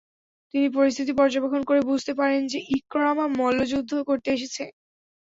তিনি পরিস্থিতি পর্যবেক্ষণ করে বুঝতে পারেন যে, ইকরামা মল্লযুদ্ধ করতে এসেছে।